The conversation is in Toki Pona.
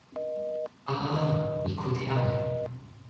a a a, mi kute ale!